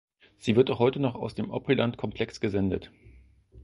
Sie wird auch heute noch aus dem Opryland-Komplex gesendet.